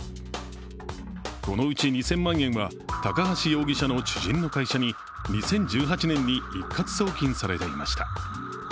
このうち、２０００万円は高橋容疑者の知人の会社に２０１８年に一括送金されていました。